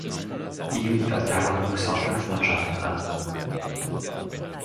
Die Jugendabteilung wuchs auf fünf Mannschaften an.